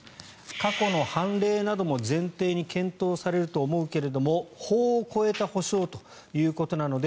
過去の判例なども前提に検討されると思うけれども法を超えた補償ということなので